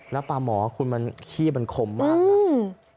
แล้วปลาหมอคุณมันขี้มันคมมากนะ